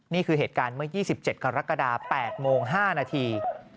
นี่คือเหตุการณ์เมื่อ๒๗กรกฎา๘โมง๕นาที